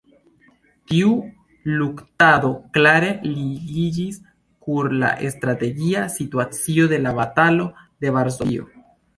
Tiu luktado klare ligiĝis kun la strategia situacio de la Batalo de Varsovio.